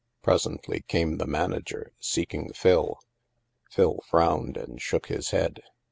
Presently came the manager, seeking Phil. Phil frowned and shook his head.